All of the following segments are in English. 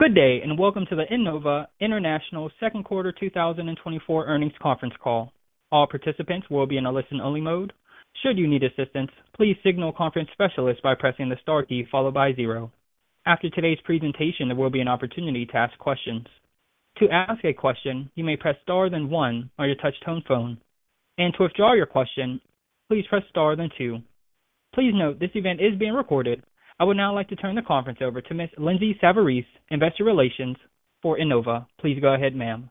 Good day, and welcome to the Enova International Q2 2024 Earnings Conference Call. All participants will be in a listen-only mode. Should you need assistance, please signal conference specialists by pressing the star key followed by zero. After today's presentation, there will be an opportunity to ask questions. To ask a question, you may press star then one on your touch-tone phone, and to withdraw your question, please press star then two. Please note this event is being recorded. I would now like to turn the conference over to Ms. Lindsay Savarese, Investor Relations for Enova. Please go ahead, ma'am.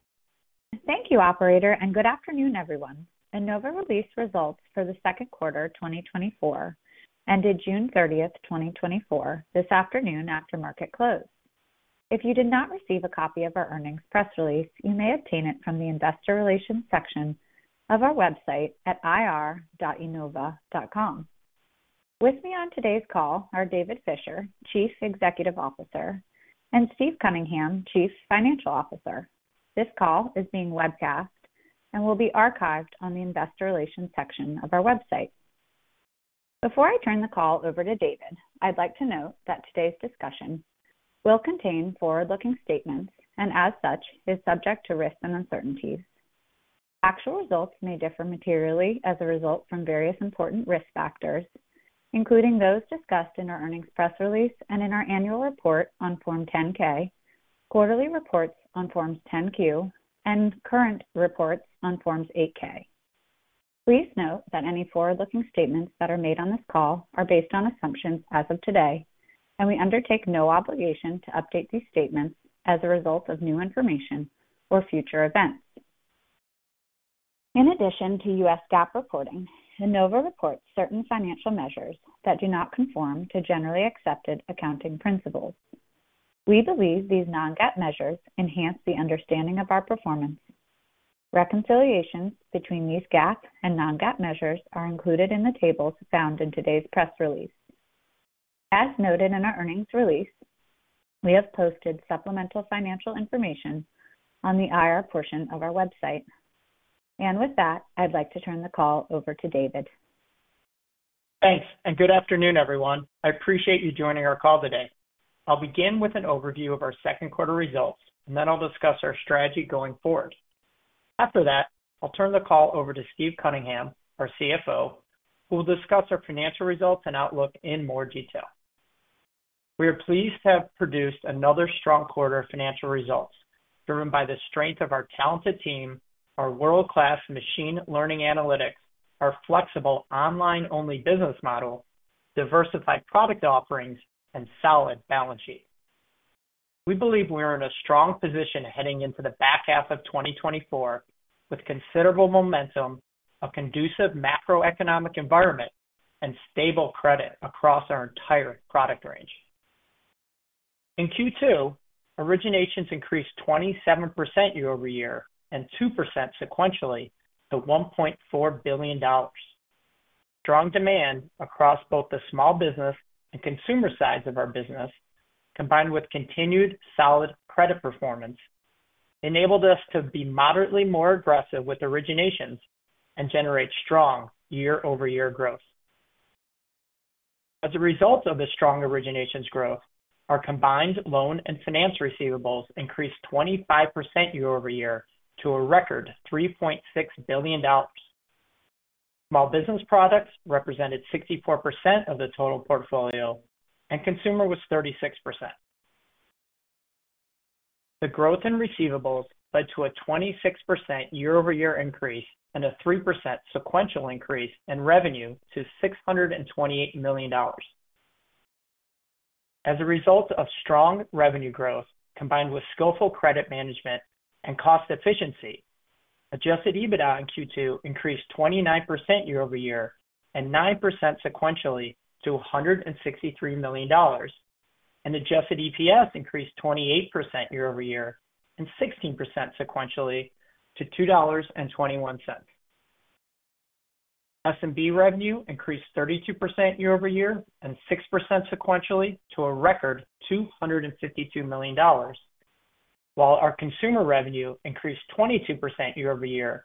Thank you, Operator, and good afternoon, everyone. Enova released results for the Q2 2024 ended June 30th, 2024, this afternoon after market close. If you did not receive a copy of our earnings press release, you may obtain it from the Investor Relations section of our website at ir.enova.com. With me on today's call are David Fisher, Chief Executive Officer, and Steve Cunningham, Chief Financial Officer. This call is being webcast and will be archived on the Investor Relations section of our website. Before I turn the call over to David, I'd like to note that today's discussion will contain forward-looking statements and, as such, is subject to risks and uncertainties. Actual results may differ materially as a result of various important risk factors, including those discussed in our earnings press release and in our annual report on Form 10-K, quarterly reports on Forms 10-Q, and current reports on Forms 8-K. Please note that any forward-looking statements that are made on this call are based on assumptions as of today, and we undertake no obligation to update these statements as a result of new information or future events. In addition to U.S. GAAP reporting, Enova reports certain financial measures that do not conform to generally accepted accounting principles. We believe these non-GAAP measures enhance the understanding of our performance. Reconciliations between these GAAP and non-GAAP measures are included in the tables found in today's press release. As noted in our earnings release, we have posted supplemental financial information on the IR portion of our website. With that, I'd like to turn the call over to David. Thanks, and good afternoon, everyone. I appreciate you joining our call today. I'll begin with an overview of our Q2 results, and then I'll discuss our strategy going forward. After that, I'll turn the call over to Steve Cunningham, our CFO, who will discuss our financial results and outlook in more detail. We are pleased to have produced another strong quarter of financial results driven by the strength of our talented team, our world-class machine learning analytics, our flexible online-only business model, diversified product offerings, and solid balance sheet. We believe we are in a strong position heading into the back half of 2024 with considerable momentum, a conducive macroeconomic environment, and stable credit across our entire product range. In Q2, originations increased 27% year-over-year and 2% sequentially to $1.4 billion. Strong demand across both the small business and consumer sides of our business, combined with continued solid credit performance, enabled us to be moderately more aggressive with originations and generate strong year-over-year growth. As a result of the strong originations growth, our combined loan and finance receivables increased 25% year-over-year to a record $3.6 billion. Small business products represented 64% of the total portfolio, and consumer was 36%. The growth in receivables led to a 26% year-over-year increase and a 3% sequential increase in revenue to $628 million. As a result of strong revenue growth combined with skillful credit management and cost efficiency, adjusted EBITDA in Q2 increased 29% year-over-year and 9% sequentially to $163 million, and adjusted EPS increased 28% year-over-year and 16% sequentially to $2.21. SMB revenue increased 32% year-over-year and 6% sequentially to a record $252 million, while our consumer revenue increased 22% year-over-year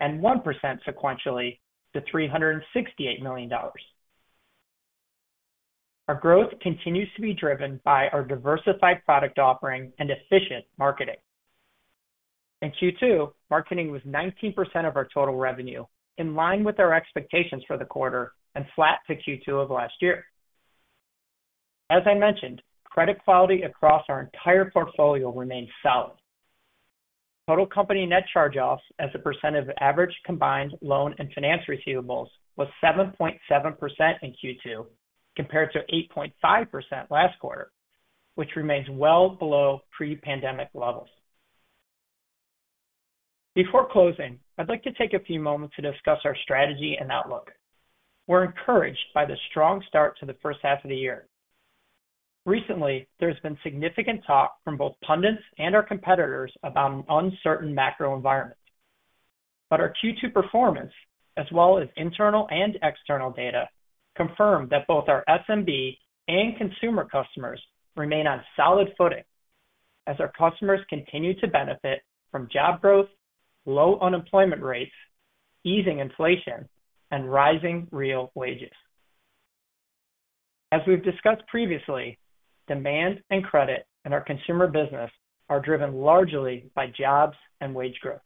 and 1% sequentially to $368 million. Our growth continues to be driven by our diversified product offering and efficient marketing. In Q2, marketing was 19% of our total revenue, in line with our expectations for the quarter and flat to Q2 of last year. As I mentioned, credit quality across our entire portfolio remained solid. Total company net charge-offs as a percent of average combined loan and finance receivables was 7.7% in Q2 compared to 8.5% last quarter, which remains well below pre-pandemic levels. Before closing, I'd like to take a few moments to discuss our strategy and outlook. We're encouraged by the strong start to the first half of the year. Recently, there has been significant talk from both pundits and our competitors about an uncertain macro environment. But our Q2 performance, as well as internal and external data, confirm that both our SMB and consumer customers remain on solid footing as our customers continue to benefit from job growth, low unemployment rates, easing inflation, and rising real wages. As we've discussed previously, demand and credit in our consumer business are driven largely by jobs and wage growth.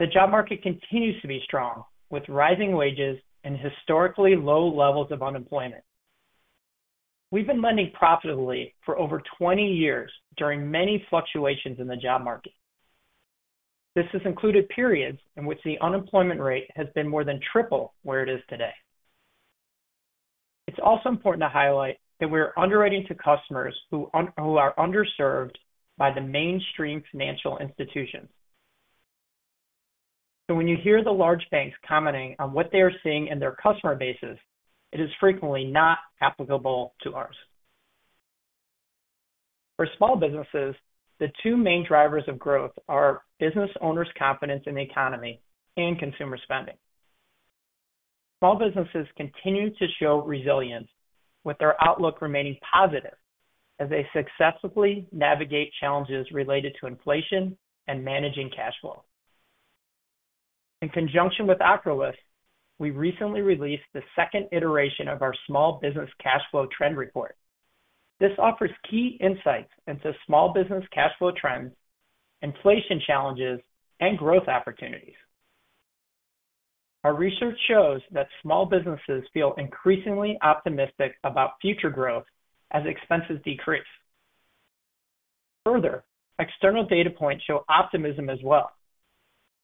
The job market continues to be strong with rising wages and historically low levels of unemployment. We've been lending profitably for over 20 years during many fluctuations in the job market. This has included periods in which the unemployment rate has been more than triple where it is today. It's also important to highlight that we are underwriting to customers who are underserved by the mainstream financial institutions. So when you hear the large banks commenting on what they are seeing in their customer bases, it is frequently not applicable to ours. For small businesses, the two main drivers of growth are business owners' confidence in the economy and consumer spending. Small businesses continue to show resilience, with their outlook remaining positive as they successfully navigate challenges related to inflation and managing cash flow. In conjunction with Ocrolus, we recently released the second iteration of our Small Business Cash Flow Trend Report. This offers key insights into small business cash flow trends, inflation challenges, and growth opportunities. Our research shows that small businesses feel increasingly optimistic about future growth as expenses decrease. Further, external data points show optimism as well.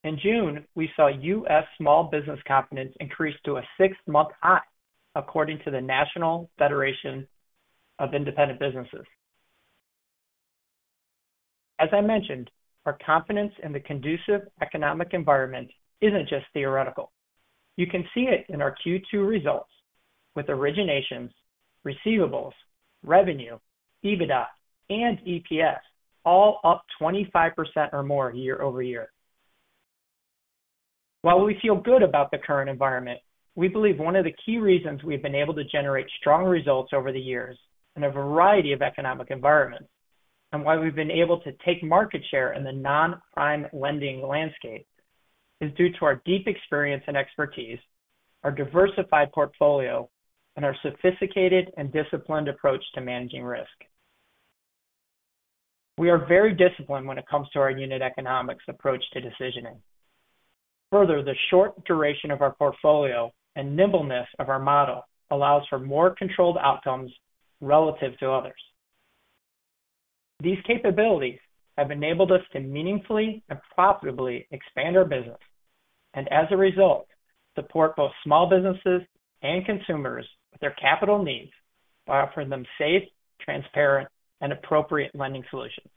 In June, we saw U.S. small business confidence increase to a six-month high, according to the National Federation of Independent Business. As I mentioned, our confidence in the conducive economic environment isn't just theoretical. You can see it in our Q2 results with originations, receivables, revenue, EBITDA, and EPS all up 25% or more year-over-year. While we feel good about the current environment, we believe one of the key reasons we've been able to generate strong results over the years in a variety of economic environments and why we've been able to take market share in the non-prime lending landscape is due to our deep experience and expertise, our diversified portfolio, and our sophisticated and disciplined approach to managing risk. We are very disciplined when it comes to our unit economics approach to decisioning. Further, the short duration of our portfolio and nimbleness of our model allows for more controlled outcomes relative to others. These capabilities have enabled us to meaningfully and profitably expand our business and, as a result, support both small businesses and consumers with their capital needs by offering them safe, transparent, and appropriate lending solutions.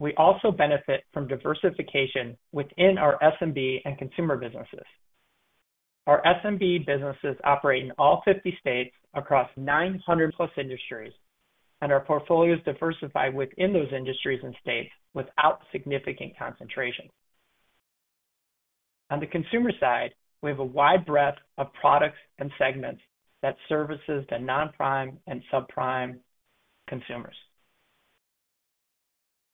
We also benefit from diversification within our SMB and consumer businesses. Our SMB businesses operate in all 50 states across 900+ industries, and our portfolios diversify within those industries and states without significant concentration. On the consumer side, we have a wide breadth of products and segments that services the non-prime and subprime consumers.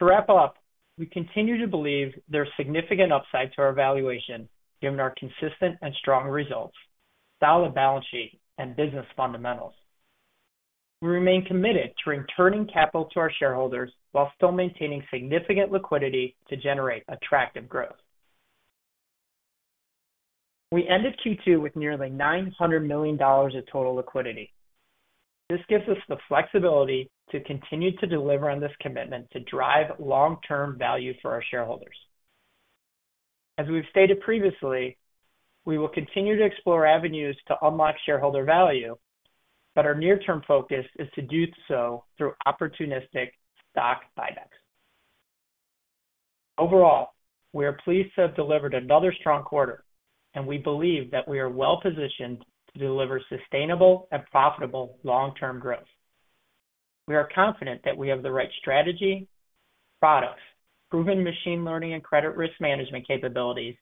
To wrap up, we continue to believe there's significant upside to our valuation given our consistent and strong results, solid balance sheet, and business fundamentals. We remain committed to returning capital to our shareholders while still maintaining significant liquidity to generate attractive growth. We ended Q2 with nearly $900 million of total liquidity. This gives us the flexibility to continue to deliver on this commitment to drive long-term value for our shareholders. As we've stated previously, we will continue to explore avenues to unlock shareholder value, but our near-term focus is to do so through opportunistic stock buybacks. Overall, we are pleased to have delivered another strong quarter, and we believe that we are well-positioned to deliver sustainable and profitable long-term growth. We are confident that we have the right strategy, products, proven machine learning and credit risk management capabilities,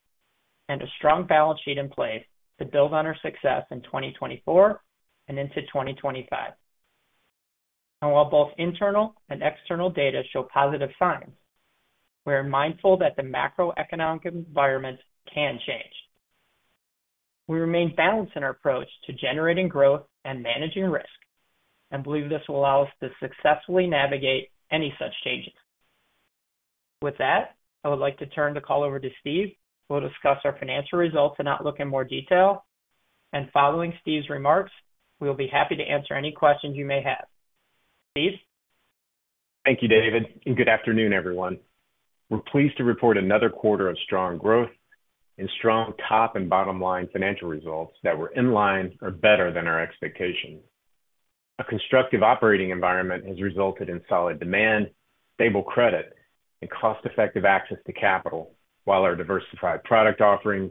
and a strong balance sheet in place to build on our success in 2024 and into 2025. While both internal and external data show positive signs, we are mindful that the macroeconomic environment can change. We remain balanced in our approach to generating growth and managing risk and believe this will allow us to successfully navigate any such changes. With that, I would like to turn the call over to Steve, who will discuss our financial results and outlook in more detail. Following Steve's remarks, we will be happy to answer any questions you may have. Steve? Thank you, David, and good afternoon, everyone. We're pleased to report another quarter of strong growth and strong top and bottom-line financial results that were in line or better than our expectations. A constructive operating environment has resulted in solid demand, stable credit, and cost-effective access to capital, while our diversified product offerings,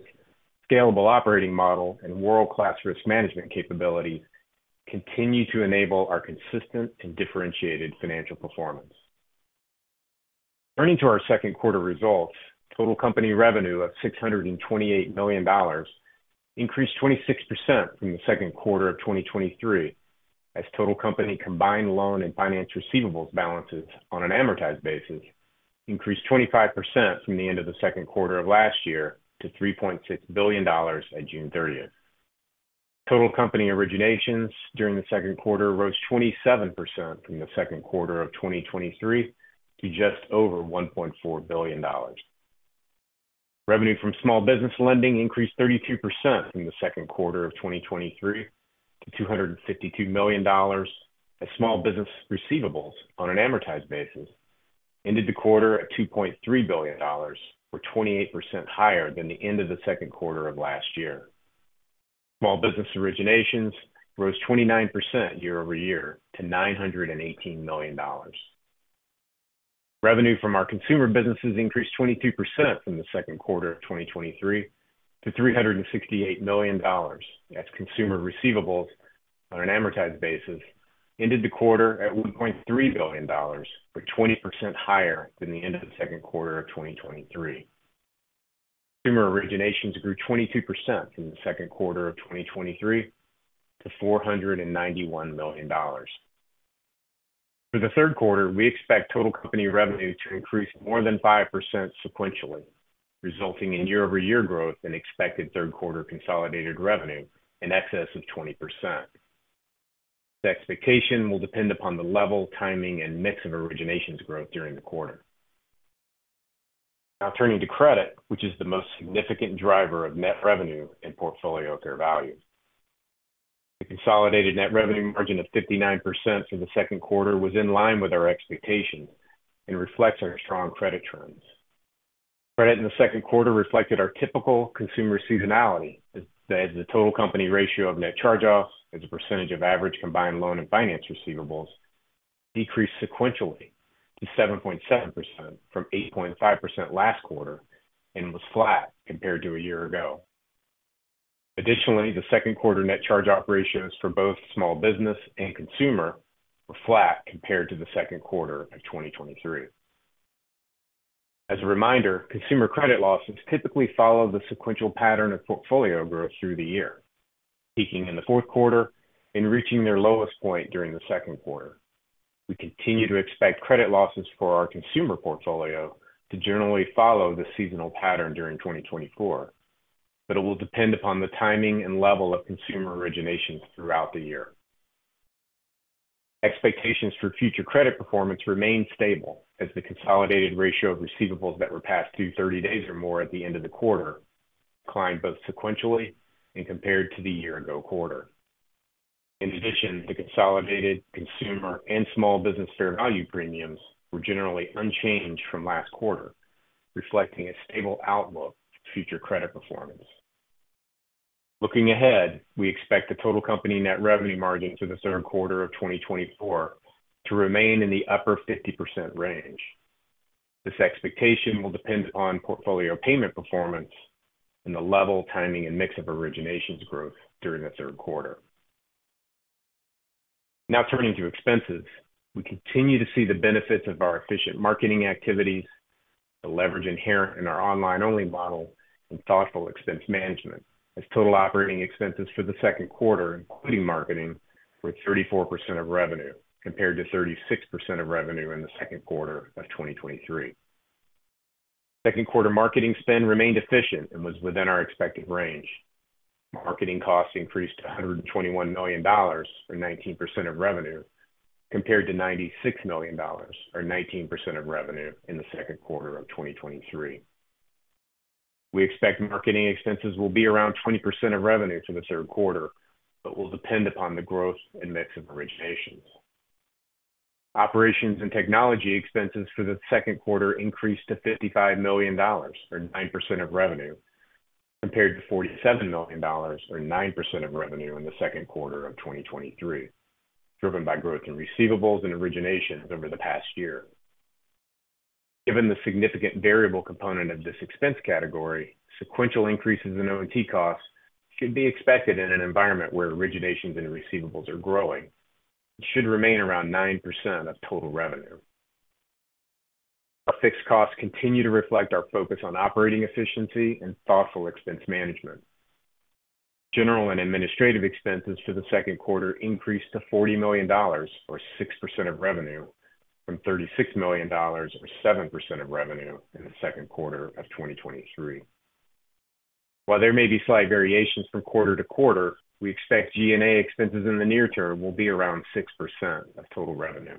scalable operating model, and world-class risk management capabilities continue to enable our consistent and differentiated financial performance. Turning to our Q2 results, total company revenue of $628 million increased 26% from the Q2 of 2023 as total company combined loan and finance receivables balances on an amortized basis increased 25% from the end of the Q2 of last year to $3.6 billion at June 30th. Total company originations during the Q2 rose 27% from the Q2 of 2023 to just over $1.4 billion. Revenue from small business lending increased 32% from the Q2 of 2023 to $252 million. Small business receivables on an amortized basis end of the quarter at $2.3 billion were 28% higher than the end of the Q2 of last year. Small business originations rose 29% year-over-year to $918 million. Revenue from our consumer businesses increased 22% from the Q2 of 2023 to $368 million. Consumer receivables on an amortized basis end of the quarter at $1.3 billion were 20% higher than the end of the Q2 of 2023. Consumer originations grew 22% from the Q2 of 2023 to $491 million. For the Q3, we expect total company revenue to increase more than 5% sequentially, resulting in year-over-year growth and expected Q3 consolidated revenue in excess of 20%. The expectation will depend upon the level, timing, and mix of originations growth during the quarter. Now turning to credit, which is the most significant driver of net revenue and portfolio fair value. The consolidated net revenue margin of 59% for the Q2 was in line with our expectations and reflects our strong credit trends. Credit in the Q2 reflected our typical consumer seasonality as the total company ratio of net charge-offs as a percentage of average combined loan and finance receivables decreased sequentially to 7.7% from 8.5% last quarter and was flat compared to a year ago. Additionally, the Q2 net charge-off ratios for both small business and consumer were flat compared to the Q2 of 2023. As a reminder, consumer credit losses typically follow the sequential pattern of portfolio growth through the year, peaking in the Q4 and reaching their lowest point during the Q2. We continue to expect credit losses for our consumer portfolio to generally follow the seasonal pattern during 2024, but it will depend upon the timing and level of consumer originations throughout the year. Expectations for future credit performance remain stable as the consolidated ratio of receivables that were past due 30 days or more at the end of the quarter declined both sequentially and compared to the year-ago quarter. In addition, the consolidated consumer and small business fair value premiums were generally unchanged from last quarter, reflecting a stable outlook for future credit performance. Looking ahead, we expect the total company net revenue margin for the Q3 of 2024 to remain in the upper 50% range. This expectation will depend upon portfolio payment performance and the level, timing, and mix of originations growth during the Q3. Now turning to expenses, we continue to see the benefits of our efficient marketing activities, the leverage inherent in our online-only model, and thoughtful expense management as total operating expenses for the Q2, including marketing, were 34% of revenue compared to 36% of revenue in the Q2 of 2023. Q2 marketing spend remained efficient and was within our expected range. Marketing costs increased to $121 million or 19% of revenue compared to $96 million or 19% of revenue in the Q2 of 2023. We expect marketing expenses will be around 20% of revenue for the Q3, but will depend upon the growth and mix of originations. Operations and technology expenses for the Q2 increased to $55 million or 9% of revenue compared to $47 million or 9% of revenue in the Q2 of 2023, driven by growth in receivables and originations over the past year. Given the significant variable component of this expense category, sequential increases in O&T costs should be expected in an environment where originations and receivables are growing and should remain around 9% of total revenue. Our fixed costs continue to reflect our focus on operating efficiency and thoughtful expense management. General and administrative expenses for the Q2 increased to $40 million or 6% of revenue from $36 million or 7% of revenue in the Q2 of 2023. While there may be slight variations from quarter to quarter, we expect G&A expenses in the near term will be around 6% of total revenue.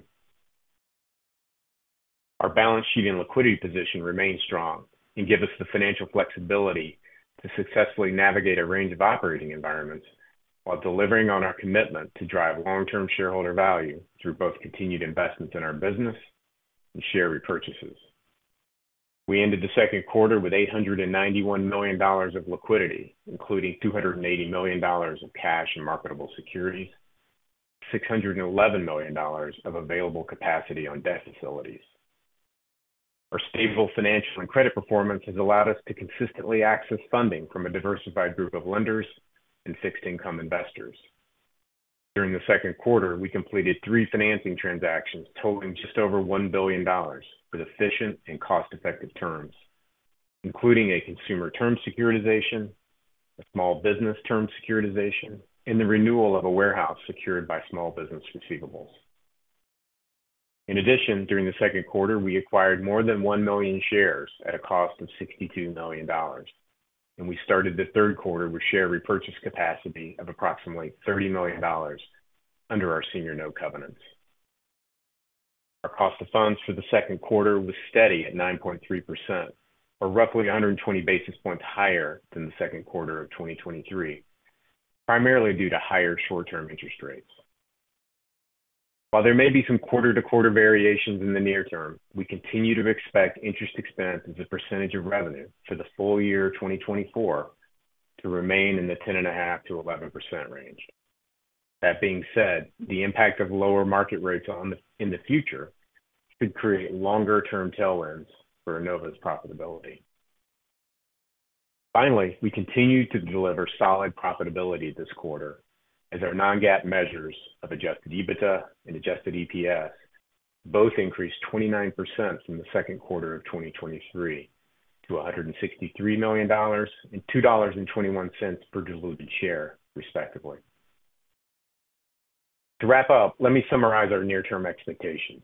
Our balance sheet and liquidity position remain strong and give us the financial flexibility to successfully navigate a range of operating environments while delivering on our commitment to drive long-term shareholder value through both continued investments in our business and share repurchases. We ended the Q2 with $891 million of liquidity, including $280 million of cash and marketable securities and $611 million of available capacity on debt facilities. Our stable financial and credit performance has allowed us to consistently access funding from a diversified group of lenders and fixed-income investors. During the Q2, we completed three financing transactions totaling just over $1 billion with efficient and cost-effective terms, including a consumer term securitization, a small business term securitization, and the renewal of a warehouse secured by small business receivables. In addition, during the Q2, we acquired more than 1 million shares at a cost of $62 million, and we started the Q3 with share repurchase capacity of approximately $30 million under our senior note covenants. Our cost of funds for the Q2 was steady at 9.3%, or roughly 120 basis points higher than the Q2 of 2023, primarily due to higher short-term interest rates. While there may be some quarter-to-quarter variations in the near term, we continue to expect interest expense as a percentage of revenue for the full year 2024 to remain in the 10.5%-11% range. That being said, the impact of lower market rates in the future should create longer-term tailwinds for Enova's profitability. Finally, we continue to deliver solid profitability this quarter as our non-GAAP measures of adjusted EBITDA and adjusted EPS both increased 29% from the Q2 of 2023 to $163 million and $2.21 per diluted share, respectively. To wrap up, let me summarize our near-term expectations.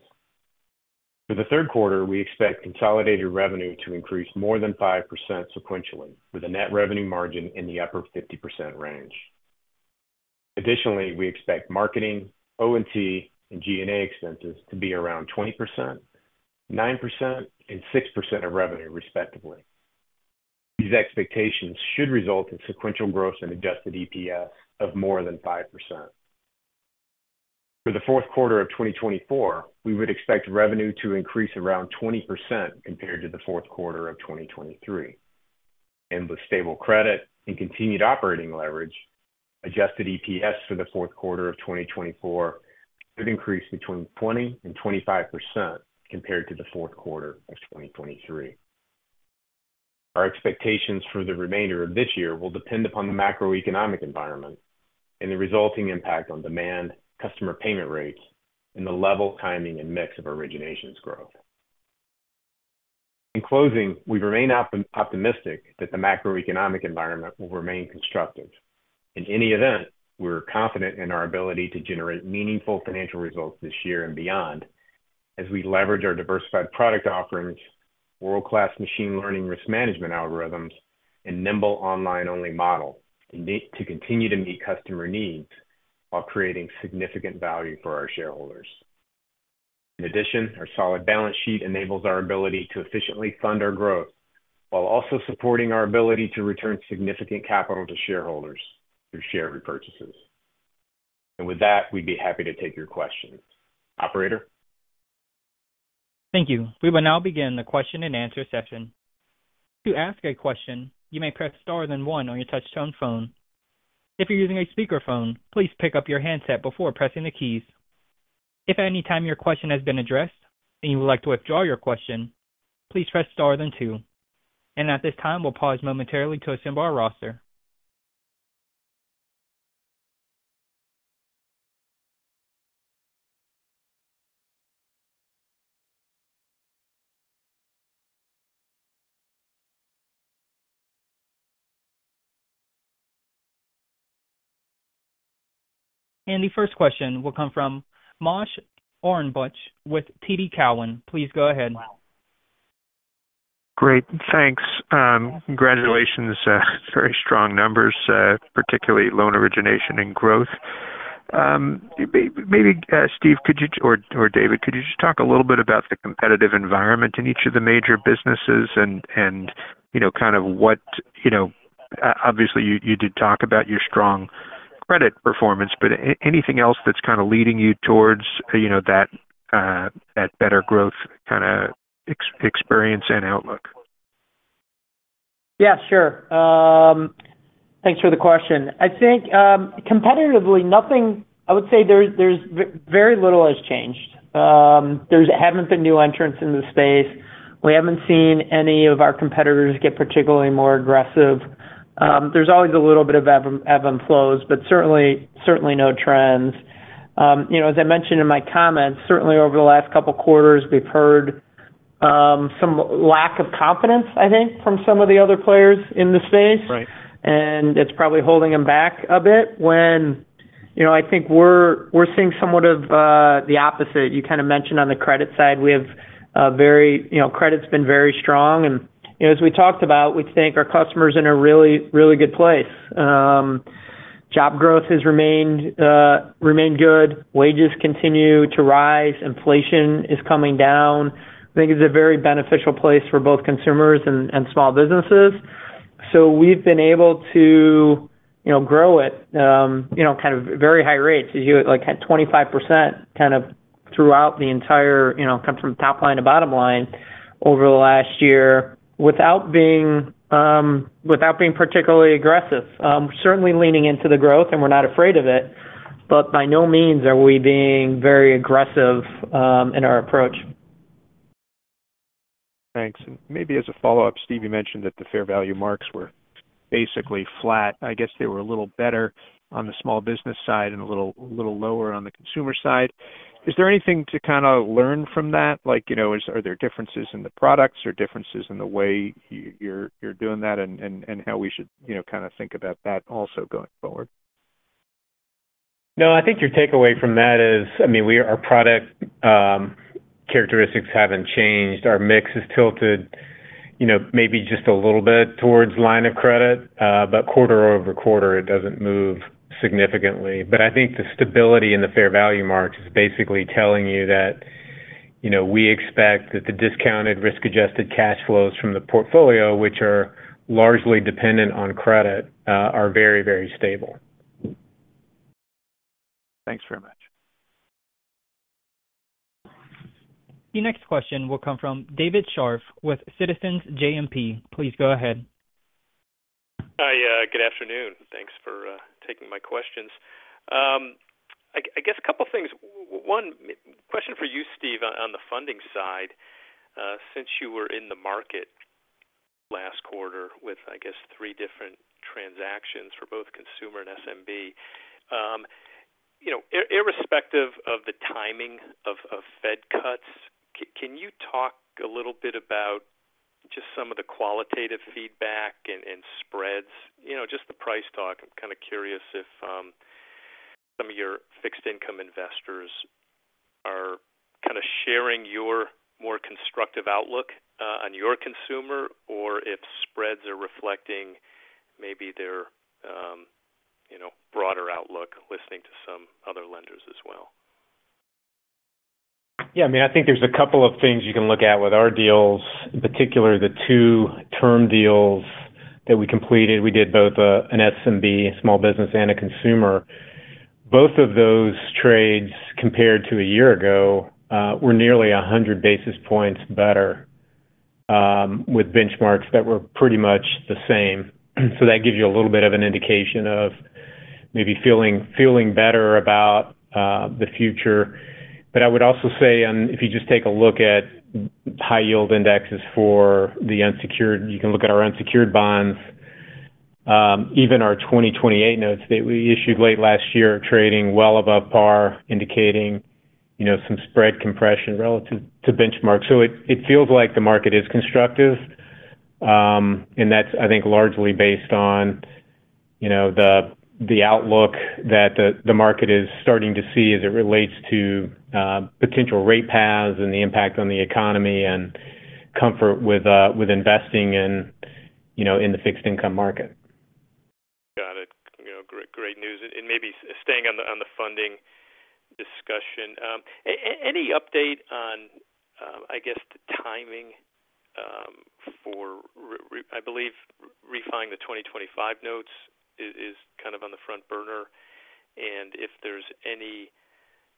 For the Q3, we expect consolidated revenue to increase more than 5% sequentially, with a net revenue margin in the upper 50% range. Additionally, we expect marketing, O&T, and G&A expenses to be around 20%, 9%, and 6% of revenue, respectively. These expectations should result in sequential growth and adjusted EPS of more than 5%. For the Q4 of 2024, we would expect revenue to increase around 20% compared to the Q4 of 2023. With stable credit and continued operating leverage, adjusted EPS for the Q4 of 2024 could increase between 20% and 25% compared to the Q4 of 2023. Our expectations for the remainder of this year will depend upon the macroeconomic environment and the resulting impact on demand, customer payment rates, and the level, timing, and mix of originations growth. In closing, we remain optimistic that the macroeconomic environment will remain constructive. In any event, we're confident in our ability to generate meaningful financial results this year and beyond as we leverage our diversified product offerings, world-class machine learning risk management algorithms, and nimble online-only model to continue to meet customer needs while creating significant value for our shareholders. In addition, our solid balance sheet enables our ability to efficiently fund our growth while also supporting our ability to return significant capital to shareholders through share repurchases. With that, we'd be happy to take your questions. Operator? Thank you. We will now begin the question-and-answer session. To ask a question, you may press star then one on your touch-tone phone. If you're using a speakerphone, please pick up your handset before pressing the keys. If at any time your question has been addressed and you would like to withdraw your question, please press star then two. At this time, we'll pause momentarily to assemble our roster. The first question will come from Moshe Orenbuch with TD Cowen. Please go ahead. Great. Thanks. Congratulations. Very strong numbers, particularly loan origination and growth. Maybe, Steve, could you or David, could you just talk a little bit about the competitive environment in each of the major businesses and kind of what obviously, you did talk about your strong credit performance, but anything else that's kind of leading you towards that better growth kind of experience and outlook? Yeah, sure. Thanks for the question. I think competitively, nothing I would say there's very little has changed. There haven't been new entrants in the space. We haven't seen any of our competitors get particularly more aggressive. There's always a little bit of ebb and flow, but certainly no trends. As I mentioned in my comments, certainly over the last couple of quarters, we've heard some lack of confidence, I think, from some of the other players in the space. And it's probably holding them back a bit when I think we're seeing somewhat of the opposite. You kind of mentioned on the credit side, we have very credit's been very strong. And as we talked about, we think our customers are in a really, really good place. Job growth has remained good. Wages continue to rise. Inflation is coming down. I think it's a very beneficial place for both consumers and small businesses. So we've been able to grow at kind of very high rates, like at 25% kind of throughout the entire from top line to bottom line over the last year without being particularly aggressive. Certainly leaning into the growth, and we're not afraid of it, but by no means are we being very aggressive in our approach. Thanks. And maybe as a follow-up, Steve, you mentioned that the fair value marks were basically flat. I guess they were a little better on the small business side and a little lower on the consumer side. Is there anything to kind of learn from that? Are there differences in the products or differences in the way you're doing that and how we should kind of think about that also going forward? No, I think your takeaway from that is, I mean, our product characteristics haven't changed. Our mix is tilted maybe just a little bit towards line of credit, but quarter-over-quarter, it doesn't move significantly. But I think the stability in the fair value marks is basically telling you that we expect that the discounted risk-adjusted cash flows from the portfolio, which are largely dependent on credit, are very, very stable. Thanks very much. The next question will come from David Scharf with Citizens JMP. Please go ahead. Hi. Good afternoon. Thanks for taking my questions. I guess a couple of things. One question for you, Steve, on the funding side. Since you were in the market last quarter with, I guess, three different transactions for both consumer and SMB, irrespective of the timing of Fed cuts, can you talk a little bit about just some of the qualitative feedback and spreads, just the price talk? I'm kind of curious if some of your fixed-income investors are kind of sharing your more constructive outlook on your consumer or if spreads are reflecting maybe their broader outlook listening to some other lenders as well. Yeah. I mean, I think there's a couple of things you can look at with our deals, in particular the two term deals that we completed. We did both an SMB, small business, and a consumer. Both of those trades compared to a year ago were nearly 100 basis points better with benchmarks that were pretty much the same. So that gives you a little bit of an indication of maybe feeling better about the future. But I would also say if you just take a look at high-yield indexes for the unsecured, you can look at our unsecured bonds, even our 2028 notes that we issued late last year trading well above par, indicating some spread compression relative to benchmarks. So it feels like the market is constructive. That's, I think, largely based on the outlook that the market is starting to see as it relates to potential rate paths and the impact on the economy and comfort with investing in the fixed-income market. Got it. Great news. Maybe staying on the funding discussion, any update on, I guess, the timing for, I believe, refinancing the 2025 notes is kind of on the front burner? And if there's any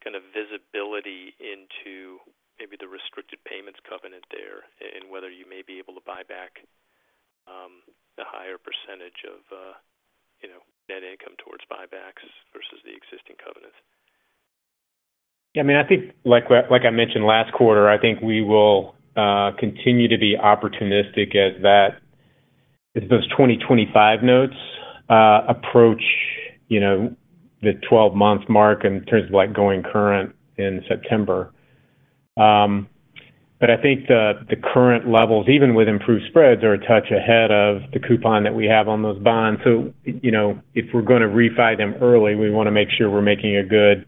kind of visibility into maybe the restricted payments covenant there and whether you may be able to buy back a higher percentage of net income towards buybacks versus the existing covenants? Yeah. I mean, I think, like I mentioned last quarter, I think we will continue to be opportunistic as those 2025 notes approach the 12-month mark in terms of going current in September. But I think the current levels, even with improved spreads, are a touch ahead of the coupon that we have on those bonds. So if we're going to refinance them early, we want to make sure we're making a good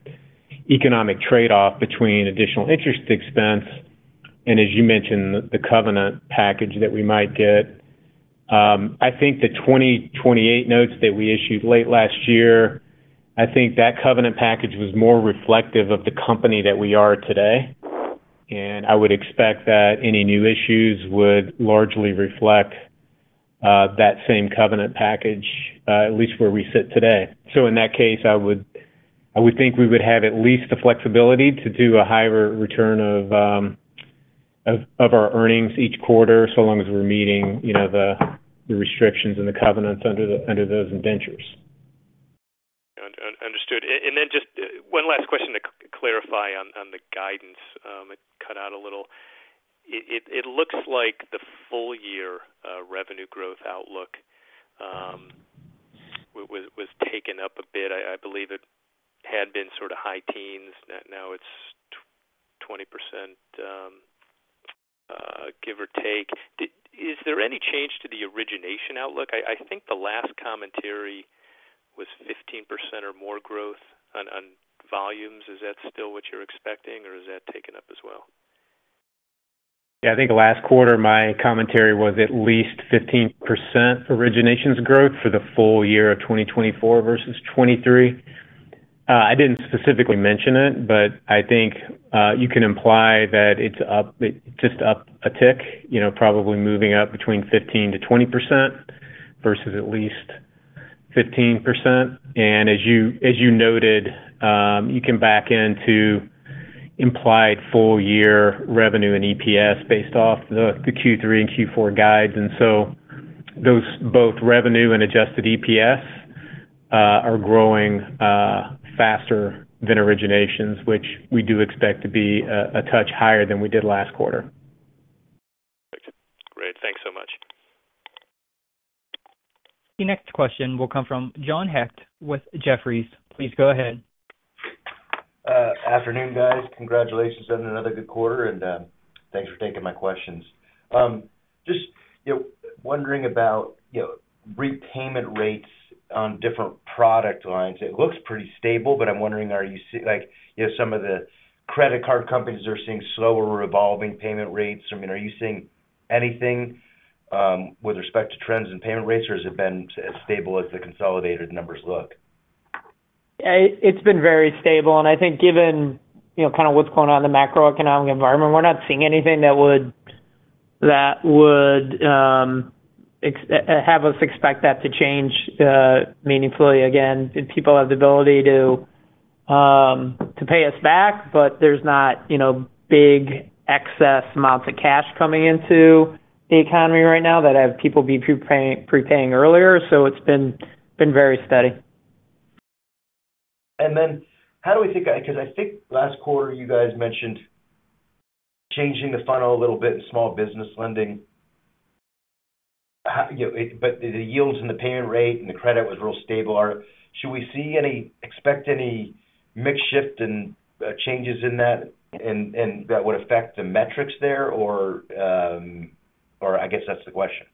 economic trade-off between additional interest expense and, as you mentioned, the covenant package that we might get. I think the 2028 notes that we issued late last year, I think that covenant package was more reflective of the company that we are today. And I would expect that any new issues would largely reflect that same covenant package, at least where we sit today. In that case, I would think we would have at least the flexibility to do a higher return of our earnings each quarter so long as we're meeting the restrictions and the covenants under those indentures. Understood. Then just one last question to clarify on the guidance. It cut out a little. It looks like the full-year revenue growth outlook was taken up a bit. I believe it had been sort of high teens. Now it's 20%, give or take. Is there any change to the origination outlook? I think the last commentary was 15% or more growth on volumes. Is that still what you're expecting, or is that taken up as well? Yeah. I think last quarter, my commentary was at least 15% originations growth for the full year of 2024 versus 2023. I didn't specifically mention it, but I think you can imply that it's just up a tick, probably moving up between 15%-20% versus at least 15%. And as you noted, you can back into implied full-year revenue and EPS based off the Q3 and Q4 guides. And so both revenue and adjusted EPS are growing faster than originations, which we do expect to be a touch higher than we did last quarter. Great. Thanks so much. The next question will come from John Hecht with Jefferies. Please go ahead. Afternoon, guys. Congratulations on another good quarter. Thanks for taking my questions. Just wondering about repayment rates on different product lines. It looks pretty stable, but I'm wondering, are you seeing some of the credit card companies are seeing slower revolving payment rates? I mean, are you seeing anything with respect to trends in payment rates, or has it been as stable as the consolidated numbers look? It's been very stable. I think given kind of what's going on in the macroeconomic environment, we're not seeing anything that would have us expect that to change meaningfully. Again, people have the ability to pay us back, but there's not big excess amounts of cash coming into the economy right now that have people be prepaying earlier. So it's been very steady. Then how do we think, because I think last quarter, you guys mentioned changing the funnel a little bit in small business lending, but the yields and the payment rate and the credit was real stable. Should we expect any mix shift and changes in that that would affect the metrics there? Or I guess that's the question.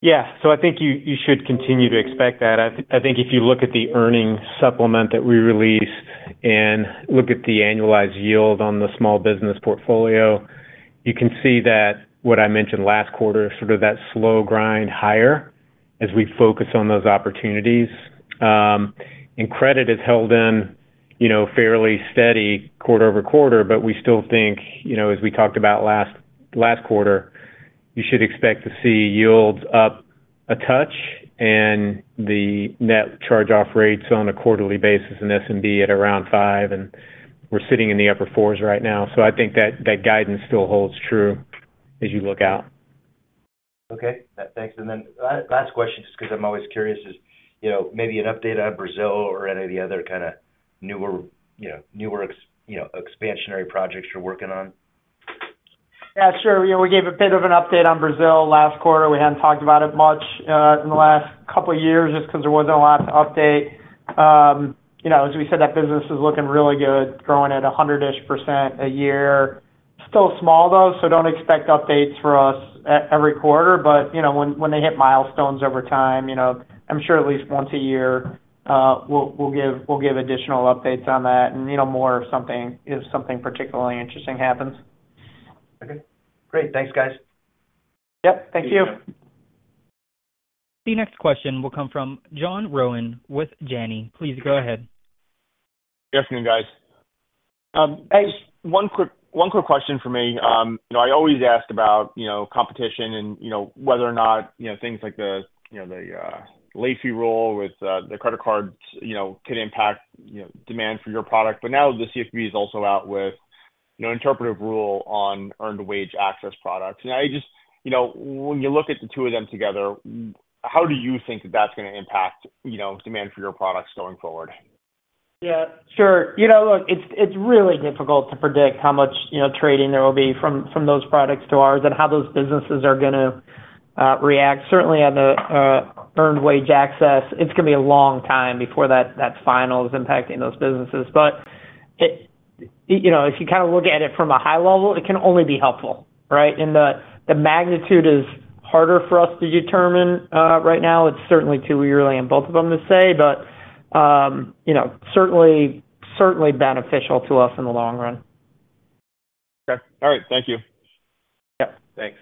Yeah. So I think you should continue to expect that. I think if you look at the earnings supplement that we release and look at the annualized yield on the small business portfolio, you can see that what I mentioned last quarter, sort of that slow grind higher as we focus on those opportunities. And credit has held in fairly steady quarter-over-quarter, but we still think, as we talked about last quarter, you should expect to see yields up a touch and the net charge-off rates on a quarterly basis in SMB at around 5. And we're sitting in the upper 4s right now. So I think that guidance still holds true as you look out. Okay. Thanks. And then last question, just because I'm always curious, is maybe an update on Brazil or any of the other kind of newer expansionary projects you're working on? Yeah, sure. We gave a bit of an update on Brazil last quarter. We hadn't talked about it much in the last couple of years just because there wasn't a lot to update. As we said, that business is looking really good, growing at 100-ish% a year. Still small, though, so don't expect updates for us every quarter. But when they hit milestones over time, I'm sure at least once a year, we'll give additional updates on that and more if something particularly interesting happens. Okay. Great. Thanks, guys. Yep. Thank you. The next question will come from John Rowan with Janney. Please go ahead. Good afternoon, guys. Hey, one quick question for me. I always ask about competition and whether or not things like the late fee rule with the credit cards can impact demand for your product. But now the CFPB is also out with an interpretive rule on earned wage access products. And when you look at the two of them together, how do you think that that's going to impact demand for your products going forward? Yeah. Sure. Look, it's really difficult to predict how much trading there will be from those products to ours and how those businesses are going to react. Certainly, on the earned wage access, it's going to be a long time before that final is impacting those businesses. But if you kind of look at it from a high level, it can only be helpful, right? And the magnitude is harder for us to determine right now. It's certainly too early on both of them to say, but certainly beneficial to us in the long run. Okay. All right. Thank you. Yep. Thanks.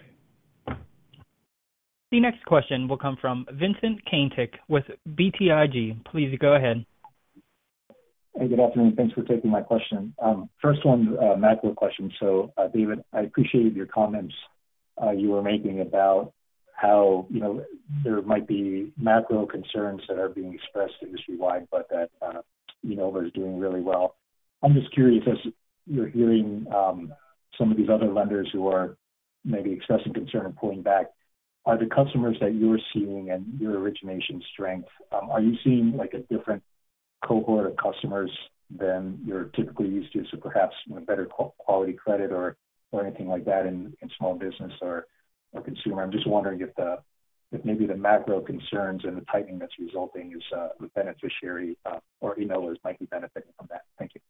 The next question will come from Vincent Caintic with BTIG. Please go ahead. Hey, good afternoon. Thanks for taking my question. First one, macro question. So David, I appreciate your comments you were making about how there might be macro concerns that are being expressed industry-wide, but that Enova is doing really well. I'm just curious, as you're hearing some of these other lenders who are maybe expressing concern and pulling back, are the customers that you're seeing and your origination strength, are you seeing a different cohort of customers than you're typically used to? So perhaps better quality credit or anything like that in small business or consumer? I'm just wondering if maybe the macro concerns and the tightening that's resulting is a beneficiary or Enova might be benefiting from that. Thank you.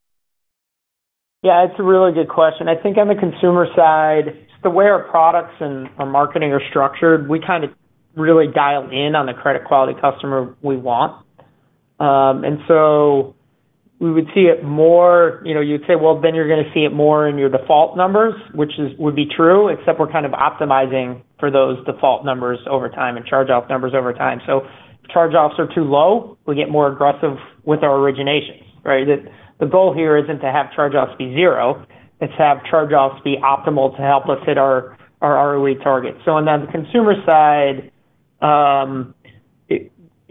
Yeah. It's a really good question. I think on the consumer side, the way our products and our marketing are structured, we kind of really dial in on the credit quality customer we want. And so we would see it more you would say, "Well, then you're going to see it more in your default numbers," which would be true, except we're kind of optimizing for those default numbers over time and charge-off numbers over time. So if charge-offs are too low, we get more aggressive with our originations, right? The goal here isn't to have charge-offs be zero. It's to have charge-offs be optimal to help us hit our ROE target. So on the consumer side,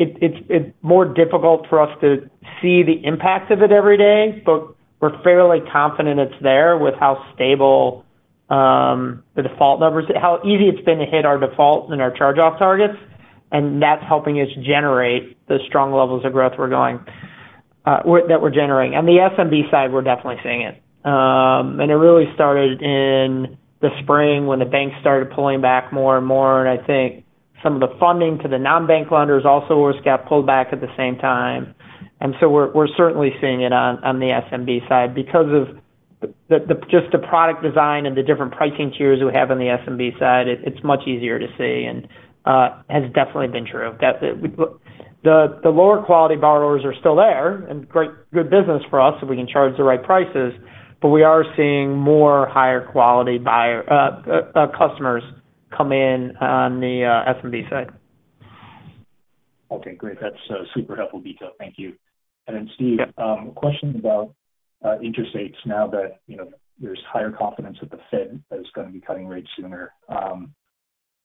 it's more difficult for us to see the impact of it every day, but we're fairly confident it's there with how stable the default numbers are, how easy it's been to hit our default and our charge-off targets. And that's helping us generate the strong levels of growth that we're generating. On the SMB side, we're definitely seeing it. And it really started in the spring when the banks started pulling back more and more. And I think some of the funding to the non-bank lenders also was got pulled back at the same time. And so we're certainly seeing it on the SMB side because of just the product design and the different pricing tiers we have on the SMB side. It's much easier to see and has definitely been true. The lower quality borrowers are still there and good business for us if we can charge the right prices. But we are seeing more higher quality customers come in on the SMB side. Okay. Great. That's super helpful detail. Thank you. And then, Steve, question about interest rates now that there's higher confidence that the Fed is going to be cutting rates sooner.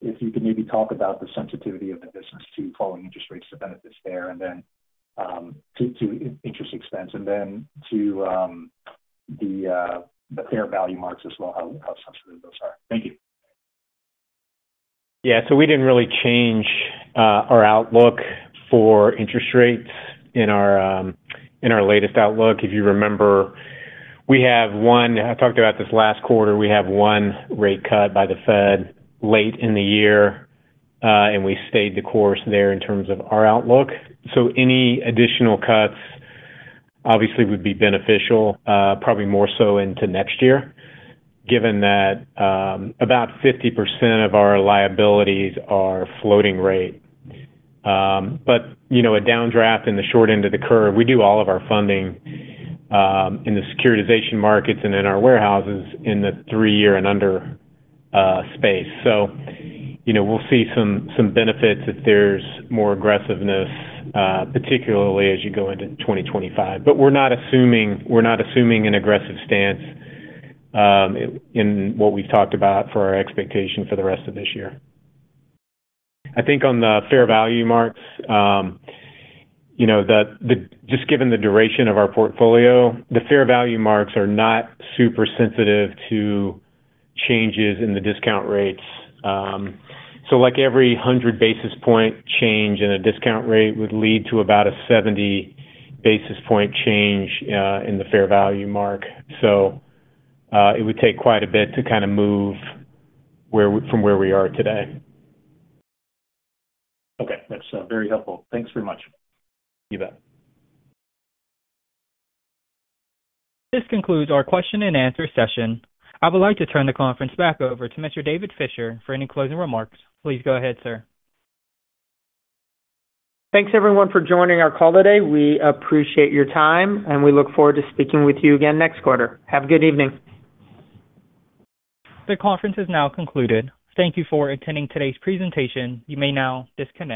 If you could maybe talk about the sensitivity of the business to following interest rates to benefits there and then to interest expense and then to the fair value marks as well, how sensitive those are. Thank you. Yeah. So we didn't really change our outlook for interest rates in our latest outlook. If you remember, we have one I talked about this last quarter. We have one rate cut by the Fed late in the year, and we stayed the course there in terms of our outlook. So any additional cuts, obviously, would be beneficial, probably more so into next year, given that about 50% of our liabilities are floating rate. But a downdraft in the short end of the curve, we do all of our funding in the securitization markets and in our warehouses in the 3-year and under space. So we'll see some benefits if there's more aggressiveness, particularly as you go into 2025. But we're not assuming an aggressive stance in what we've talked about for our expectation for the rest of this year. I think on the fair value marks, just given the duration of our portfolio, the fair value marks are not super sensitive to changes in the discount rates. So every 100 basis points change in a discount rate would lead to about a 70 basis points change in the fair value mark. So it would take quite a bit to kind of move from where we are today. Okay. That's very helpful. Thanks very much. You bet. This concludes our question-and-answer session. I would like to turn the conference back over to Mr. David Fisher for any closing remarks. Please go ahead, sir. Thanks, everyone, for joining our call today. We appreciate your time, and we look forward to speaking with you again next quarter. Have a good evening. The conference is now concluded. Thank you for attending today's presentation. You may now disconnect.